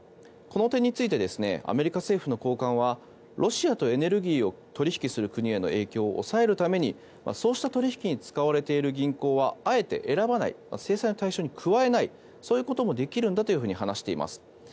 この点についてアメリカ政府高官はロシアとエネルギーを取引する国への影響を抑えるためにそうした取引に使われている銀行はあえて選ばない制裁の対象に加えないそういこともできるんだと話しています。